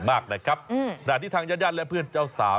มากนะครับที่ทางยาวและเพื่อนเจ้าสาว